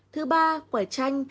thứ ba quả chanh